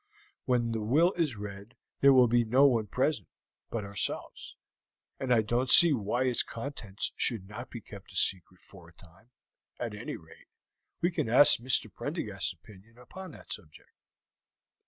When the will is read there will be no one present but ourselves, and I don't see why its contents should not be kept a secret for a time; at any rate, we can ask Mr. Prendergast's opinion upon that subject."